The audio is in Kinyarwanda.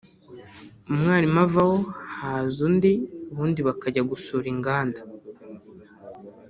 umwarimu avaho haza undi ubundi bakajya gusura inganda